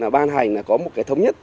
ban hành là có một cái thống nhất